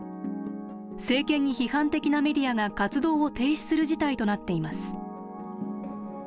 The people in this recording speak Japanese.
政権に批判的なメディアが活動を停止する事態となっています。